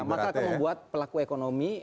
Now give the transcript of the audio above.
maka akan membuat pelaku ekonomi